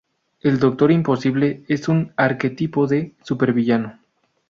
El Doctor Imposible es un arquetipo de supervillano.